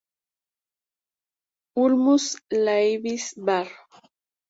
Ulmus laevis var.